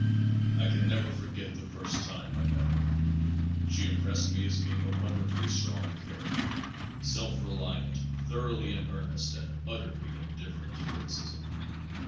I can never forget the first time I met her. She impressed me as being a wonderfully strong character, self reliant, thoroughly in earnest, and utterly indifferent to criticism.